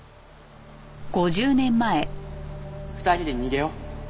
２人で逃げよう。